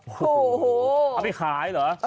โอ้โหเอาไปขายเหรอ